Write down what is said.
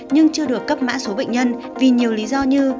nhưng chưa được cấp mã số bệnh nhân vì nhiều lý do như